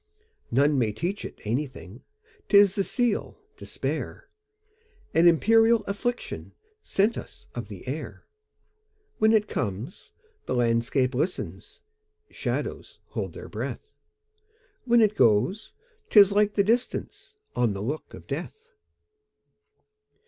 None may teach it anything,'T is the seal, despair,—An imperial afflictionSent us of the air. When it comes, the landscape listens, Shadows hold their breath; When it goes, 't is like the distanceOn the look of death.